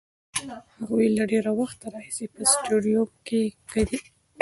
هغوی له ډېر وخته راهیسې په سټډیوم کې دي.